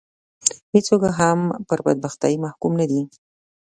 هېڅوک هم پر بدبختي محکوم نه دي